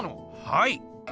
はい。